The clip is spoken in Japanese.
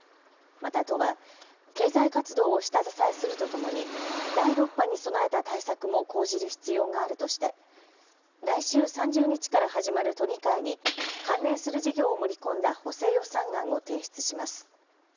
また都は経済活動を下支えするとともに第６波に備えた対策も講じる必要があるとして来週３０日から始まる都議会に関連する事業を盛り込んだ補正予算案を提出します。